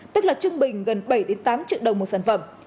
tức là trung bình gần bảy tám triệu đồng một sản phẩm